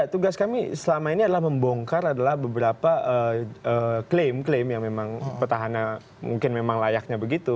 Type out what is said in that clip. tugas kami selama ini adalah membongkar adalah beberapa klaim klaim yang memang petahana mungkin memang layaknya begitu